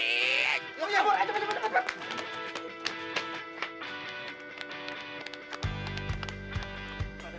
ayo kabur cepet cepet